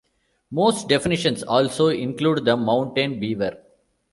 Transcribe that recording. Most definitions also include the mountain beaver.